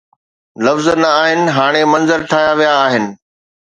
لفظ نه آهن، هاڻي منظر ٺاهيا ويا آهن.